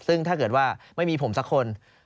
ซึ่งถ้าเกิดว่าไม่มีผมสักคน